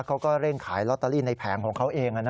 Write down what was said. เขาก็เร่งขายลอตเตอรี่ในแผงของเขาเอง